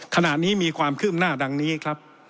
ขณะนี้มีความคืบหน้าดังนี้ครับ